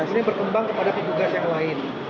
ini berkembang kepada petugas yang lain